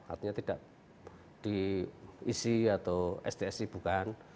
artinya tidak di isi atau stsi bukan